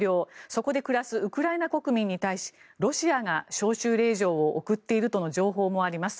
そこで暮らすウクライナ国民に対しロシアが招集令状を送っているとの情報もあります。